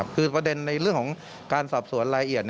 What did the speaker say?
คือประเด็นในเรื่องของการสอบสวนรายละเอียด